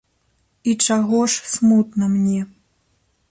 І чаго ж смутна мне?